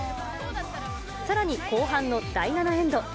さらに、後半の第７エンド。